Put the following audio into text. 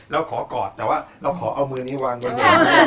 แล้วขอกอดแต่ว่าเราขอเอามือนี้วางด้วย